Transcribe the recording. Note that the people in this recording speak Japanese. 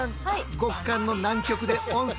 極寒の南極で温泉。